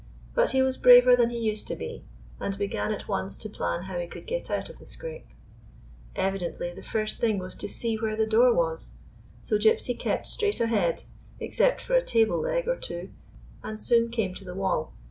But he was braver than he used to be, and began at once to plan how he could get out of the scrape. Evidently the first thing was to see where the door was. So Gypsy kept straight ahead, ex cept for a table leg or two, and soon came to the wall.